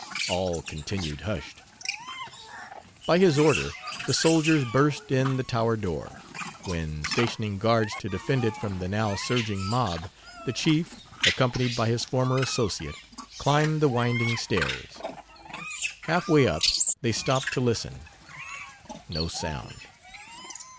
All continued hushed. By his order, the soldiers burst in the tower door; when, stationing guards to defend it from the now surging mob, the chief, accompanied by his former associate, climbed the winding stairs. Half way up, they stopped to listen. No sound.